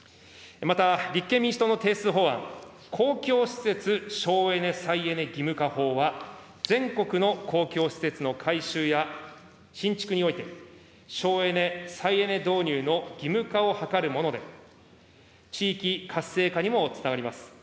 また立憲民主党の提出法案、公共施設省エネ・再エネ義務化法は、全国の公共施設の改修や新築において、省エネ再エネ導入の義務化を図るもので、地域活性化にもつながります。